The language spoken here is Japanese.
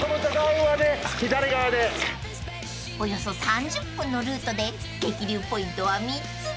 ［およそ３０分のルートで激流ポイントは３つ］